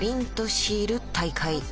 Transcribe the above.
シール大会